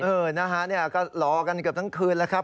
เออนะฮะก็รอกันเกือบทั้งคืนแล้วครับ